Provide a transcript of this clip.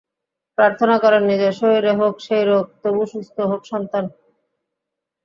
প্রার্থনা করেন, নিজের শরীরে হোক সেই রোগ, তবু সুস্থ হোক সন্তান।